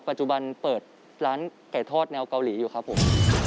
ปัจจุบันเปิดร้านไก่ทอดแนวเกาหลีอยู่ครับผม